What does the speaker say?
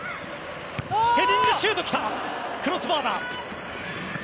ヘディングシュートはクロスバーだ！